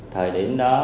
thời điểm đó